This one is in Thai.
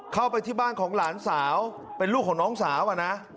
เข้าไปที่บ้านของหลานสาวเป็นลูกของน้องสาวอะนะ